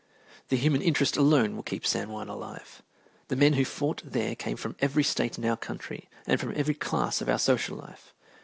The human interest alone will keep San Juan alive. The men who fought there came from every State in our country and from every class of our social life.